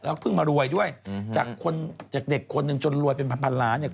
แล้วก็เพิ่งมารวยด้วยอือฮือจากคนจากเด็กคนนึงจนรวยเป็นพันพันล้านเนี่ย